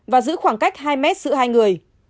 và giữ khoảng cách hai m giữa hai người